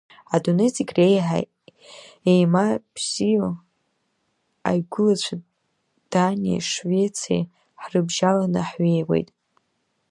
Адунеи зегь реиҳа еимабзиоу аигәылацәа Даниеи Швециеи ҳрыбжьаланы ҳҩеиуеит.